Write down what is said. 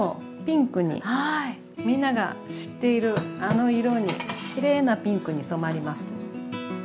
みんなが知っているあの色にきれいなピンクに染まります。